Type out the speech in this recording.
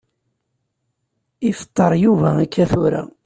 Ifeṭṭer Yuba akka tura.